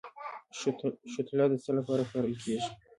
شوتله د څه لپاره کرل کیږي؟